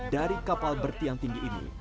dari kapal bertiang tinggi ini